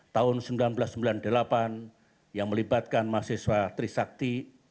tahun seribu sembilan ratus sembilan puluh delapan yang melibatkan mahasiswa trisakti